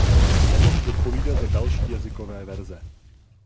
Nemohu zodpovídat za další jazykové verze.